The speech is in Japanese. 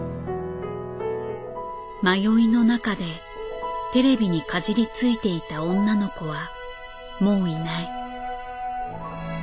迷いの中でテレビにかじりついていた女の子はもういない。